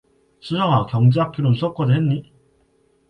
수정아 경제학 개론 수업 과제 했니?